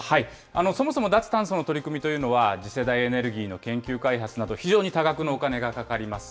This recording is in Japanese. そもそも脱炭素の取り組みというものは、次世代エネルギーの研究開発など、非常に多額のお金がかかります。